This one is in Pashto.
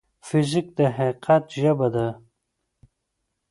فزیک د حقیقت ژبه ده.